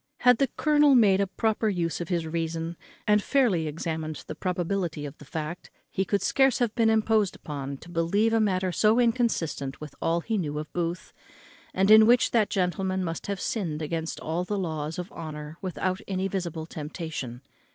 Had the colonel made a proper use of his reason, and fairly examined the probability of the fact, he could scarce have been imposed upon to believe a matter so inconsistent with all he knew of Booth, and in which that gentleman must have sinned against all the laws of honour without any visible temptation.